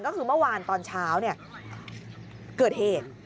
ก็คือเมื่อวานตอนเช้าเกิดเหตุ